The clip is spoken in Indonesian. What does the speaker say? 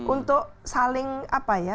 untuk saling apa ya